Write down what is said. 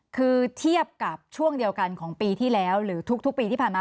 คือเทียบกับช่วงเดียวกันของปีที่แล้วหรือทุกปีที่ผ่านมา